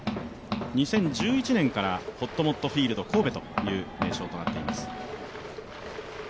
２０１１年からほっともっとフィールド神戸という名称となっています。